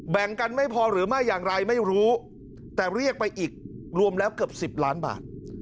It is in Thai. แบ่งกันไม่พอหรือไม่อย่างไรไม่รู้แต่เรียกไปอีกรวมแล้วเกือบ๑๐ล้านบาท